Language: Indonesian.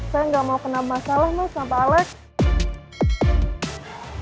saya gak mau kena masalah sama pak alex